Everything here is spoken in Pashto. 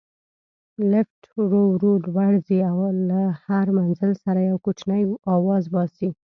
لفټ ورو ورو لوړ ځي او له هر منزل سره یو کوچنی اواز باسي.